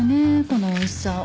このおいしさを。